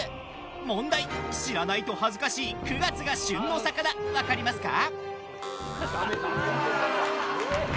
問題、知らないと恥ずかしい９月が旬の魚分かりますか？